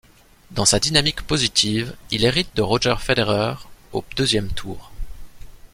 Dans sa dynamique positive, il hérite de Roger Federer au deuxième tour.